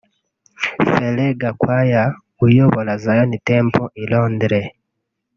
Felin Gakwaya uyobora Zion Temple i Londres